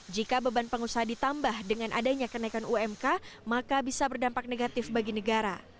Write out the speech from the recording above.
jika beban pengusaha ditambah dengan adanya kenaikan umk maka bisa berdampak negatif bagi negara